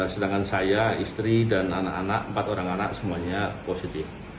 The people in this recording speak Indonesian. sedangkan saya istri dan anak anak empat orang anak semuanya positif